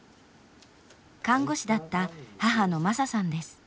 看護師だった母の真砂さんです。